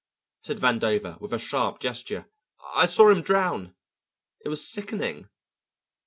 said Vandover with a sharp gesture. "I saw him drown it was sickening."